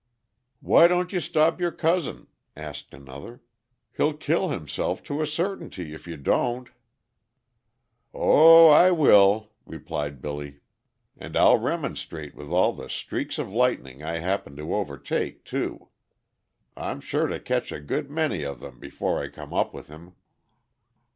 "Why don't you stop your cousin?" asked another, "he'll kill himself, to a certainty, if you don't." "O I will!" replied Billy, "and I'll remonstrate with all the streaks of lightning I happen to overtake, too. I'm sure to catch a good many of them before I come up with him."